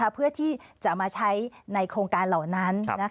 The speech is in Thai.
เพื่อที่จะมาใช้ในโครงการเหล่านั้น